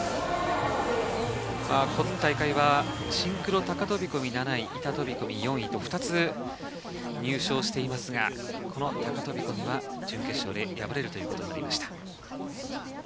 今大会はシンクロ高飛込７位、板飛込４位と、２つ入賞していますが、この高飛び込みは準決勝で敗れるということになりました。